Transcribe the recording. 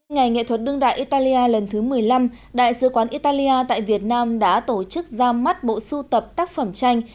ngày nghệ thuật đương đại italia lần thứ một mươi năm đại sứ quán italia tại việt nam đã tổ chức ra mắt bộ sưu tập tác phẩm tranh